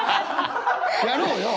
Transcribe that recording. やろうよ。